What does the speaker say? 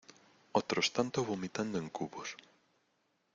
otros tantos vomitando en cubos